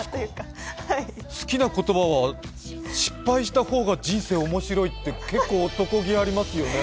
好きな言葉は、失敗したほうが人生面白いって、結構男気ありますよね。